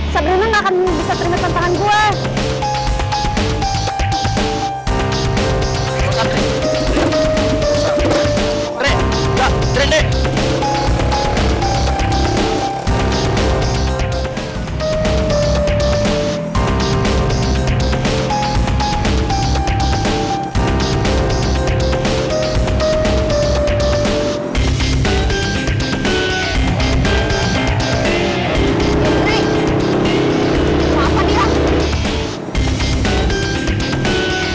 sabrinu gak akan bisa terima tantangan gue